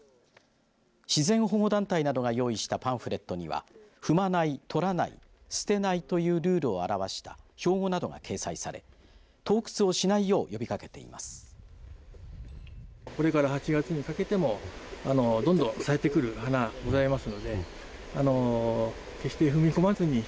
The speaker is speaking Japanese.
自然保護団体などが用意したパンフレットには踏まない、とらない捨てないというルールを表した標語などが掲載され盗掘をしないよう呼びかけています。